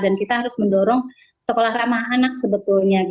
dan kita harus mendorong sekolah ramah anak sebetulnya